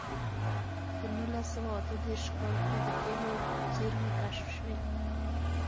په نولس سوه اته دېرش کال کې د تېلو زېرمې کشف شوې.